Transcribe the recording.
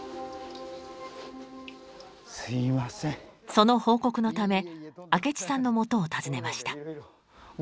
その報告のため明智さんのもとを訪ねました。